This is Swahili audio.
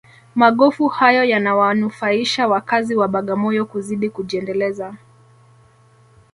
magofu hayo yanawanufaisha wakazi wa bagamoyo kuzidi kujiendeleza